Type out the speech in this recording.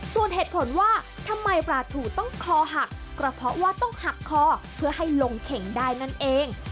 ส่วนเหตุผลว่าทำไมปลาถูต้องคอหักกระเพาะว่าต้องหักคอเพื่อให้ลงเข่งได้นั่นเอง